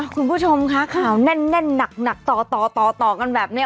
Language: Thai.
คุณผู้ชมคะข่าวแน่นหนักต่อต่อกันแบบนี้